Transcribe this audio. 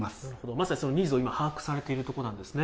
まさにそのニーズを今、把握されているところなんですね。